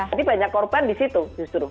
jadi banyak korban di situ justru